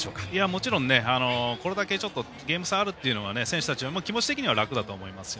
もちろん、これだけゲーム差あるっていうのは選手たちは気持ち的には楽だと思います。